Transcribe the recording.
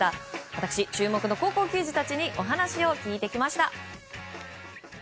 私、注目の高校球児たちにお話を聞いてきました。